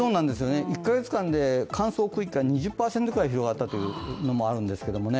１か月間で乾燥区域が２０％広がったというのもあるんですけどね。